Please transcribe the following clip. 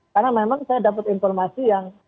karena memang saya dapat informasi yang